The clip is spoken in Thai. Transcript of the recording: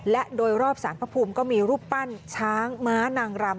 และโดยรอบสารพระภูมิก็มีรูปปั้นช้างม้านางรำ